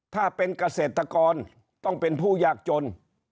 ถ้าเป็นเกษตรกรต้องเป็นผู้ยากจน